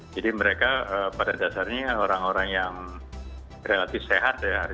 jadi mereka pada dasarnya orang orang yang relatif sehat ya